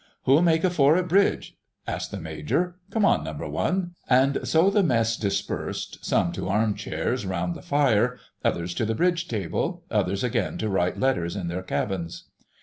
"Who'll make a four at Bridge?" asked the Major. "Come on, Number One," and so the Mess dispersed, some to arm chairs round the fire, others to the Bridge table, others again to write letters in their cabins.